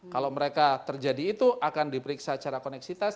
kalau mereka terjadi itu akan diperiksa secara koneksitas